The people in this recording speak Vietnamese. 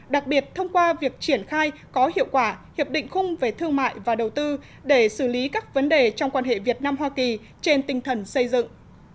đặc biệt thông qua việc triển khai có hiệu quả hiệp định khung về thương mại và đầu tư để xử lý các vấn đề trong quan hệ việt nam hoa kỳ trên tinh thần xây dựng